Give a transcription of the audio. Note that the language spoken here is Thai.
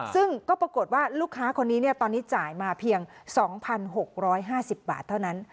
ซึ่งก็ปรากฏว่าลูกค้าคนนี้ตอนนี้จ่ายมาเพียง๒๖๕๐บาทเท่านั้น